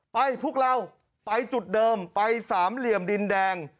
พวกเราไปจุดเดิมไปสามเหลี่ยมดินแดง